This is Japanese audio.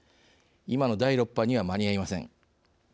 今の第６波には間に合いません。